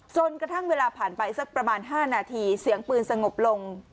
จนกระทั่งเวลาผ่านไปสักประมาณ๕นาทีเสียงปืนสงบลง